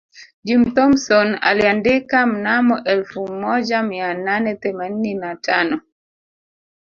Jim Thompson aliandika mnamo elfu moja mia nane themanini na tano